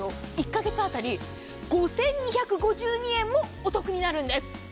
１カ月当たり５２５２円もお得になるんです。